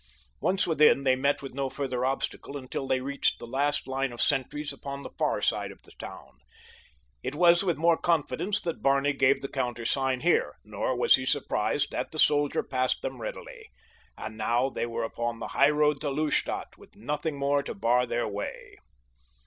Once within they met with no further obstacle until they reached the last line of sentries upon the far side of the town. It was with more confidence that Barney gave the countersign here, nor was he surprised that the soldier passed them readily; and now they were upon the highroad to Lustadt, with nothing more to bar their way.